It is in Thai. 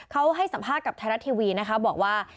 เขาให้สัมภาษณ์กับไทยรัฐทีวีนะคะบอกว่า